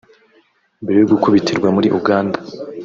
Mbere yo gukubitirwa muri Uganda